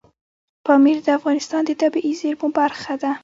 پامیر د افغانستان د طبیعي زیرمو برخه ده.